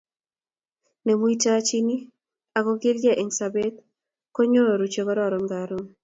Nemuitochini ako kilkei eng sobet, konyoru chekororon karon